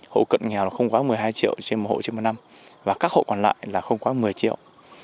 hộ cận nghèo là không quá một mươi hai triệu trên một hộ trên một năm và các hộ còn lại là không quá một mươi triệu